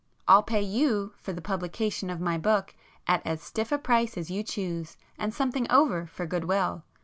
I'll pay you for the publication of my book at as stiff a price as you choose and something over for good will.